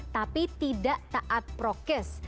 tapi tidak taat prokes